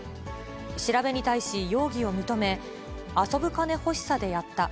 調べに対し、容疑を認め、遊ぶ金欲しさでやった。